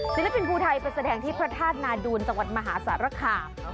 ศิลปินภูไทยไปแสดงที่พระธาตุนาดูลจังหวัดมหาสารคาม